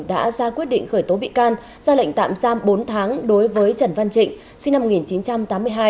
đã ra quyết định khởi tố bị can ra lệnh tạm giam bốn tháng đối với trần văn trịnh sinh năm một nghìn chín trăm tám mươi hai